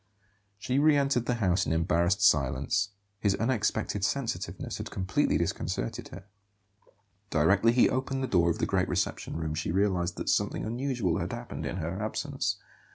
She re entered the house in embarrassed silence; his unexpected sensitiveness had completely disconcerted her. Directly he opened the door of the great reception room she realized that something unusual had happened in her absence.